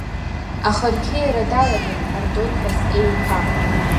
Ахырқьиара далагеит Ардон Хәаскьеи-иԥа.